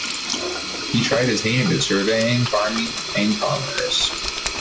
He tried his hand at surveying, farming and commerce.